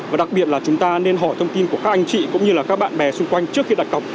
và đặc biệt là chúng ta nên hỏi thông tin của các anh chị cũng như là các bạn bè xung quanh trước khi đặt cọc